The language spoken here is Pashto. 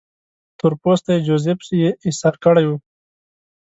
تور پوستی جوزیف یې ایسار کړی وو.